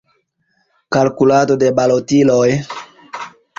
Kalkulado de balotiloj.